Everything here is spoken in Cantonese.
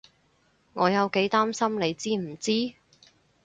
我有幾擔心你知唔知？